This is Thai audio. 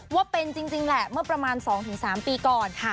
ว่าเป็นจริงแหละเมื่อประมาณ๒๓ปีก่อน